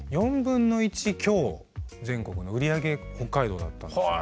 1/4強全国の売り上げ北海道だったんですよね。